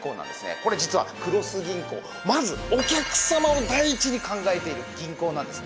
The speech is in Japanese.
これ実は黒須銀行まずお客様を第一に考えている銀行なんです。